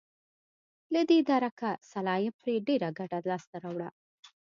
له دې درکه سلایم پرې ډېره ګټه لاسته راوړه.